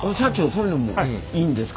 そういうのもいいんですか？